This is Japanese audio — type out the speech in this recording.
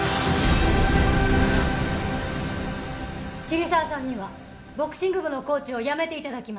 桐沢さんにはボクシング部のコーチを辞めて頂きます。